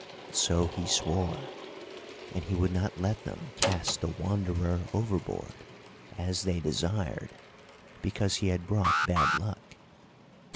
So he swore; and he would not let them cast the Wanderer overboard, as they desired, because he had brought bad luck.